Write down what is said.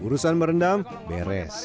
urusan merendam beres